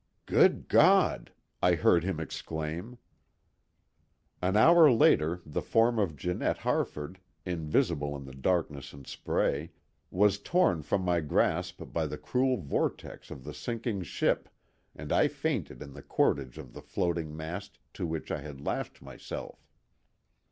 "Good God!" I heard him exclaim. An hour later the form of Janette Harford, invisible in the darkness and spray, was torn from my grasp by the cruel vortex of the sinking ship, and I fainted in the cordage of the floating mast to which I had lashed myself.